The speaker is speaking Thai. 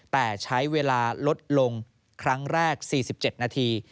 แต่ใช้เวลาลดลงครั้งแรก๔๗นาที